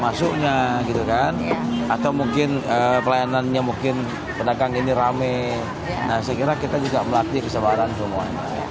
atau mungkin pelayanannya pedagang ini rame saya kira kita juga melatih kesebaran semuanya